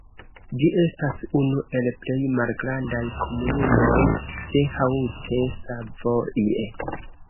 Ĝi estas unu el plej malgrandaj komunumoj de Haute-Savoie.